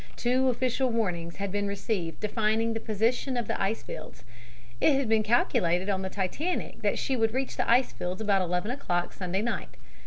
Two official warnings had been received defining the position of the ice fields. It had been calculated on the Titanic that she would reach the ice fields about 11 o'clock Sunday night.